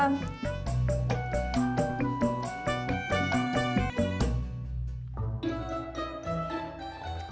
semuanya gue sakit